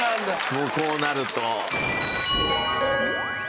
もうこうなると。